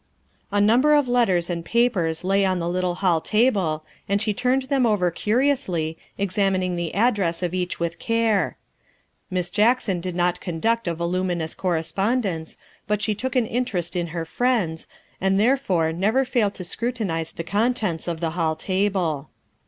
A number of letters and papers lay on the little hall table, and she turned them over curiously, examining the address of each with care. Miss Jackson did not conduct a voluminous correspondence, but she took an interest in her friends', and therefore never failed to scrutinize the contents of the hall table.